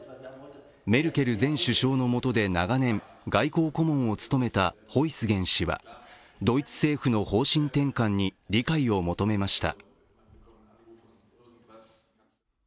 メルケル前首相のもとで、長年外交顧問を務めたホイスゲン氏は、ドイツ政府の方針転換に理解を求めました。